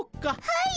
はい！